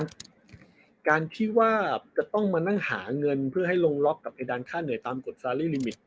การที่ว่าจะต้องมานั่งหาเงินเพื่อให้ลงล็อกกับไอดานค่าเหนื่อยตามกฎซาลีลิมิต